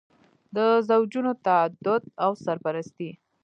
د زوجونو تعدد او سرپرستي.